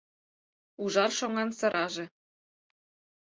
Ужар шоҥан сыраже